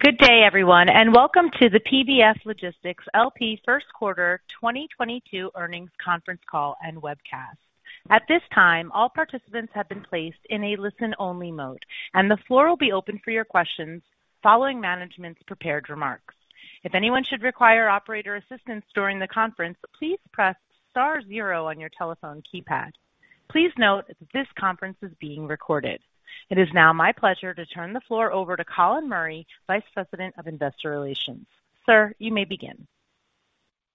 Good day, everyone, and welcome to the PBF Logistics LP First Quarter 2022 Earnings Conference Call and Webcast. At this time, all participants have been placed in a listen-only mode, and the floor will be open for your questions following management's prepared remarks. If anyone should require operator assistance during the conference, please press star zero on your telephone keypad. Please note that this conference is being recorded. It is now my pleasure to turn the floor over to Colin Murray, Vice President of Investor Relations. Sir, you may begin.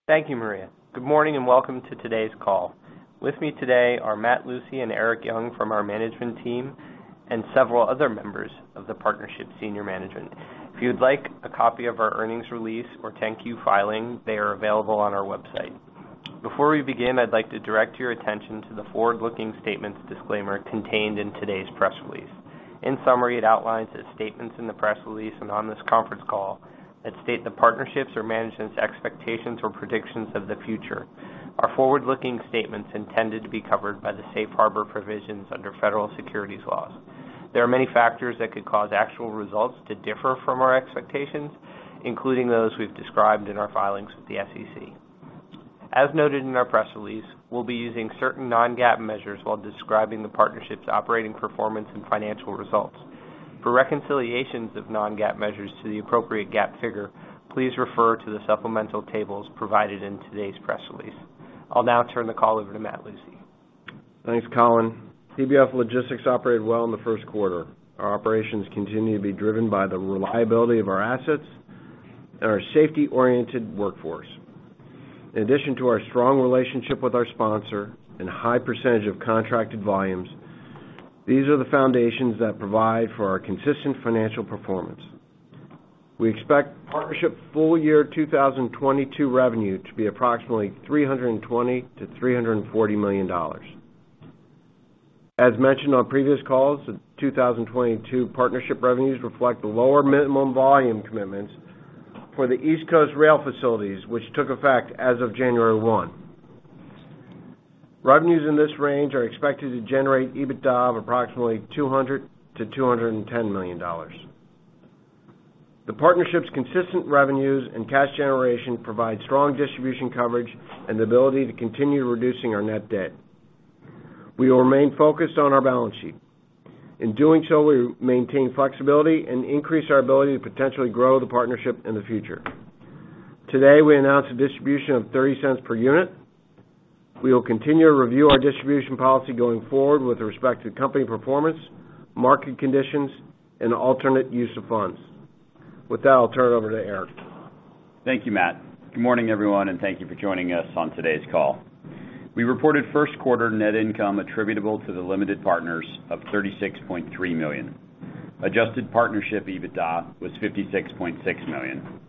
Thank you, Maria. Good morning, and welcome to today's call. With me today are Matt Lucey and Erik Young from our management team and several other members of the partnership senior management. If you'd like a copy of our earnings release or 10-Q filing, they are available on our website. Before we begin, I'd like to direct your attention to the forward-looking statements disclaimer contained in today's press release. In summary, it outlines the statements in the press release and on this conference call that state the partnerships or management's expectations or predictions of the future. Our forward-looking statements intended to be covered by the safe harbor provisions under federal securities laws. There are many factors that could cause actual results to differ from our expectations, including those we've described in our filings with the SEC. As noted in our press release, we'll be using certain non-GAAP measures while describing the partnership's operating performance and financial results. For reconciliations of non-GAAP measures to the appropriate GAAP figure, please refer to the supplemental tables provided in today's press release. I'll now turn the call over to Matt Lucey. Thanks, Colin. PBF Logistics operated well in the first quarter. Our operations continue to be driven by the reliability of our assets and our safety-oriented workforce. In addition to our strong relationship with our sponsor and high percentage of contracted volumes, these are the foundations that provide for our consistent financial performance. We expect partnership full year 2022 revenue to be approximately $320 million-$340 million. As mentioned on previous calls, the 2022 partnership revenues reflect the lower minimum volume commitments for the East Coast rail facilities, which took effect as of 1 January. Revenues in this range are expected to generate EBITDA of approximately $200 million-$210 million. The partnership's consistent revenues and cash generation provide strong distribution coverage and the ability to continue reducing our net debt. We will remain focused on our balance sheet. In doing so, we maintain flexibility and increase our ability to potentially grow the partnership in the future. Today, we announced a distribution of $0.30 per unit. We will continue to review our distribution policy going forward with respect to company performance, market conditions, and alternate use of funds. With that, I'll turn it over to Erik. Thank you, Matt. Good morning, everyone, and thank you for joining us on today's call. We reported first quarter net income attributable to the limited partners of $36.3 million. Adjusted partnership EBITDA was $56.6 million,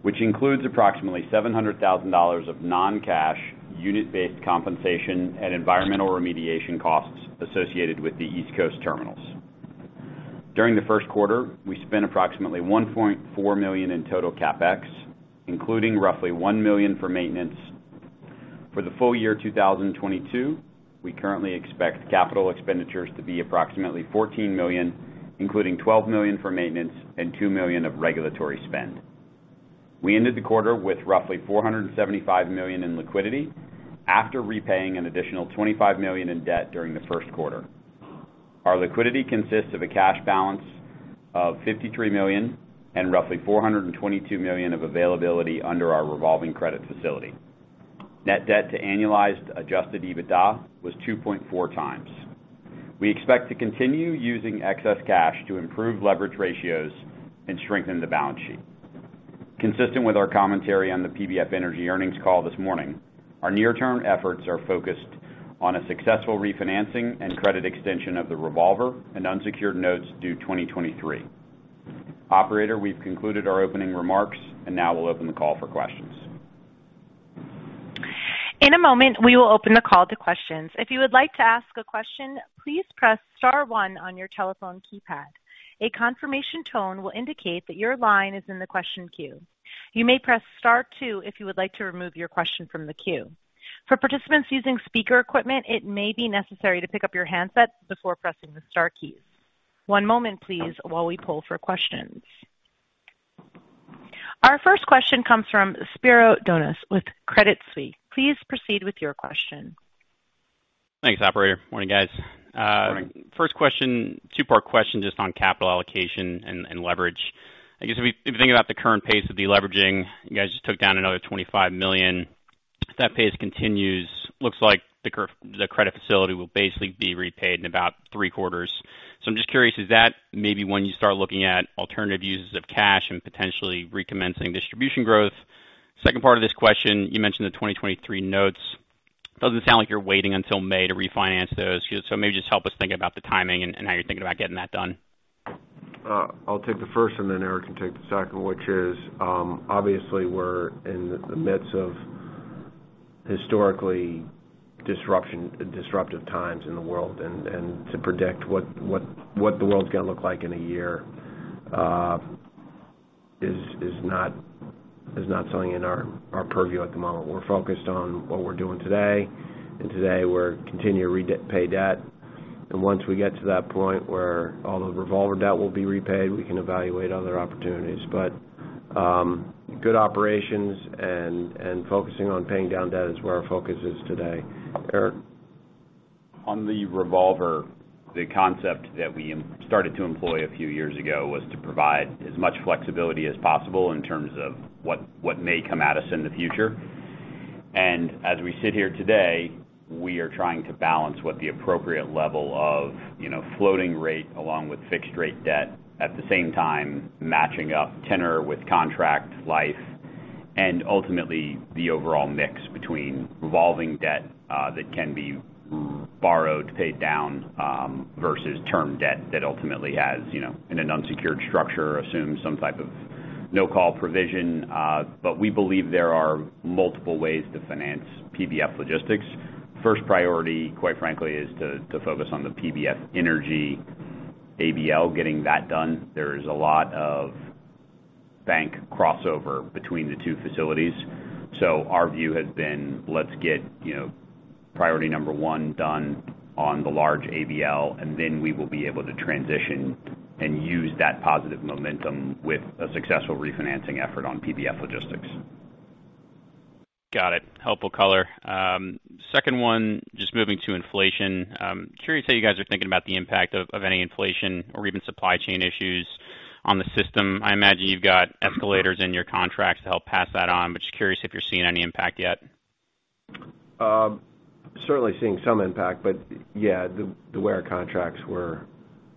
which includes approximately $700 thousand of non-cash unit-based compensation and environmental remediation costs associated with the East Coast terminals. During the first quarter, we spent approximately $1.4 million in total CapEx, including roughly $1 million for maintenance. For the full year 2022, we currently expect capital expenditures to be approximately $14 million, including $12 million for maintenance and $2 million of regulatory spend. We ended the quarter with roughly $475 million in liquidity after repaying an additional $25 million in debt during the first quarter. Our liquidity consists of a cash balance of $53 million and roughly $422 million of availability under our revolving credit facility. Net debt to annualized adjusted EBITDA was 2.4 times. We expect to continue using excess cash to improve leverage ratios and strengthen the balance sheet. Consistent with our commentary on the PBF Energy earnings call this morning, our near-term efforts are focused on a successful refinancing and credit extension of the revolver and unsecured notes due 2023. Operator, we've concluded our opening remarks, and now we'll open the call for questions. In a moment, we will open the call to questions. If you would like to ask a question, please press star one on your telephone keypad. A confirmation tone will indicate that your line is in the question queue. You may press star two if you would like to remove your question from the queue. For participants using speaker equipment, it may be necessary to pick up your handset before pressing the star keys. One moment, please, while we pull for questions. Our first question comes from Spiro Dounis with Credit Suisse. Please proceed with your question. Thanks, operator. Morning, guys. Morning. First question, two-part question just on capital allocation and leverage. I guess if you think about the current pace of deleveraging, you guys just took down another $25 million. If that pace continues, looks like the credit facility will basically be repaid in about three quarters. I'm just curious, is that maybe when you start looking at alternative uses of cash and potentially recommencing distribution growth? Second part of this question, you mentioned the 2023 notes. Doesn't sound like you're waiting until May to refinance those. Maybe just help us think about the timing and how you're thinking about getting that done. I'll take the first and then Erik can take the second one, which is, obviously we're in the midst of disruptive times in the world and to predict what the world's gonna look like in a year, is not something in our purview at the moment. We're focused on what we're doing today, and today we're continue to pay debt. Once we get to that point where all the revolver debt will be repaid, we can evaluate other opportunities. Good operations and focusing on paying down debt is where our focus is today. Erik? On the revolver, the concept that we started to employ a few years ago was to provide as much flexibility as possible in terms of what may come at us in the future. As we sit here today, we are trying to balance what the appropriate level of, you know, floating rate along with fixed rate debt, at the same time matching up tenor with contract life, and ultimately the overall mix between revolving debt that can be borrowed, paid down, versus term debt that ultimately has, you know, in an unsecured structure, assumes some type of no-call provision. We believe there are multiple ways to finance PBF Logistics. First priority, quite frankly, is to focus on the PBF Energy ABL, getting that done. There is a lot of bank crossover between the two facilities. Our view has been, let's get, you know, priority number one done on the large ABL, and then we will be able to transition and use that positive momentum with a successful refinancing effort on PBF Logistics. Got it. Helpful color. Second one, just moving to inflation. Curious how you guys are thinking about the impact of any inflation or even supply chain issues on the system. I imagine you've got escalators in your contracts to help pass that on, but just curious if you're seeing any impact yet. Certainly seeing some impact. Yeah, the way our contracts were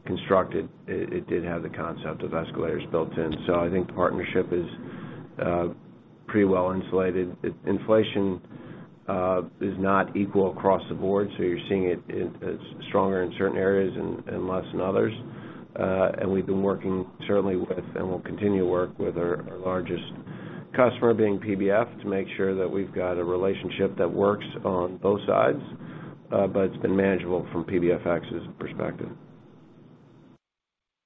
constructed, it did have the concept of escalators built in. I think the partnership is pretty well insulated. Inflation is not equal across the board, so you're seeing it as stronger in certain areas and less than others. We've been working certainly with, and we'll continue to work with our largest customer, being PBF, to make sure that we've got a relationship that works on both sides. It's been manageable from PBFX's perspective.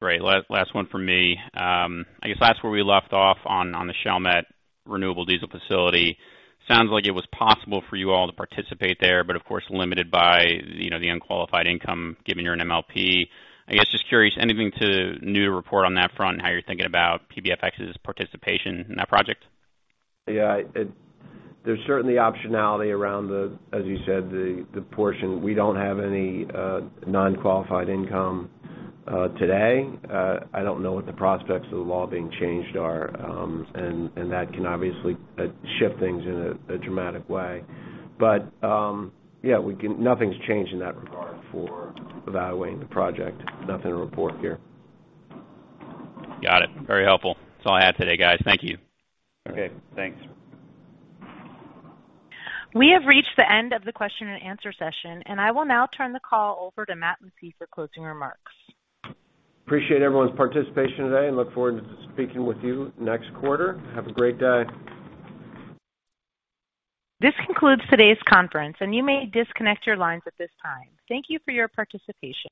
Great. Last one from me. I guess last where we left off on the Chalmette renewable diesel facility. Sounds like it was possible for you all to participate there, but of course, limited by, you know, the nonqualified income given you're an MLP. I guess just curious, anything new to report on that front and how you're thinking about PBFX's participation in that project? Yeah. There's certainly optionality around the, as you said, the portion. We don't have any nonqualified income today. I don't know what the prospects of the law being changed are, and that can obviously shift things in a dramatic way. Yeah, nothing's changed in that regard for evaluating the project. Nothing to report here. Got it. Very helpful. That's all I have today, guys. Thank you. Okay, thanks. We have reached the end of the question and answer session, and I will now turn the call over to Matt Lucey for closing remarks. Appreciate everyone's participation today and look forward to speaking with you next quarter. Have a great day. This concludes today's conference, and you may disconnect your lines at this time. Thank you for your participation.